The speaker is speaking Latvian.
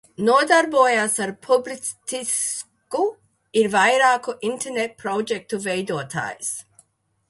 Nodarbojas ar publicistiku, ir vairāku Interneta projektu veidotājs.